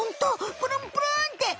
プルンプルンって！